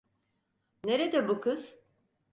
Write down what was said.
Nerede bu kız?